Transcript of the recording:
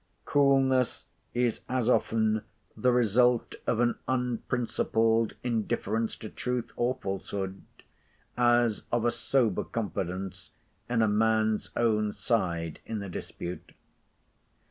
Coolness is as often the result of an unprincipled indifference to truth or falsehood, as of a sober confidence in a man's own side in a dispute.